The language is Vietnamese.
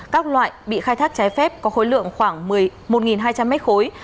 các loại bị khai thác trái phép có khối lượng khoảng một hai trăm linh mét khối